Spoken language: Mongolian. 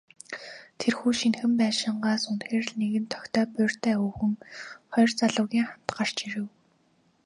Тэрхүү шинэхэн байшингаас үнэхээр л нэгэн тохитой буурьтай өвгөн, хоёр залуугийн хамт гарч ирэв.